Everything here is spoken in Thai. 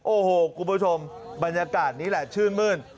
โอ้โหคุณผู้ชมบรรยากาศนี้แหละชื่นมื้น